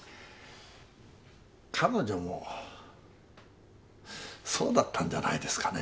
彼女もそうだったんじゃないですかね。